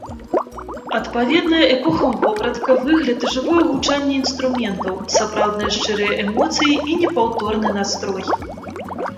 Адпаведная эпохам вопратка, выгляд і жывое гучанне інструментаў, сапраўдныя шчырыя эмоцыі і непаўторны настрой!